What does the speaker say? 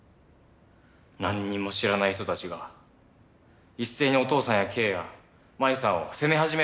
なんにも知らない人たちが一斉にお父さんやケイや舞さんを責め始めるよ。